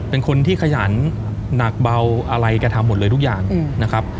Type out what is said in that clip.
เป็นคนที่ขยันหนักเบาอะไรแกทำหมดเลยทุกอย่างนะครับ